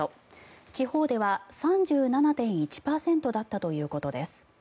地方では３７．１％だったということです。